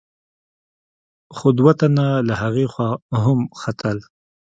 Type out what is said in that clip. خو دوه تنه له هغې خوا هم ختل.